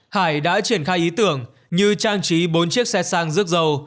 hải đã triển khai ý tưởng như trang trí bốn chiếc xe sang rước dầu